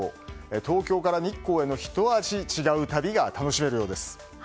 東京から日光へのひと味違う旅が楽しめるようです。